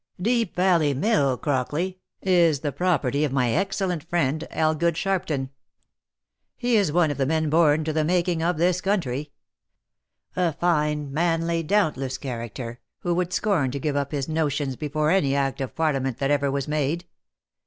Deep Valley Mill, Crockley, is the property of my excellent friend Elgood Sharpton. He is one of the men born to be the making of this country. A fine, manly, dauntless character, who would scorn to give up his notions before any act of parliament that ever was made.